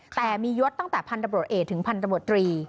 แต่มียศตั้งแต่พันธบรวจเอกถึงพันธบรตรี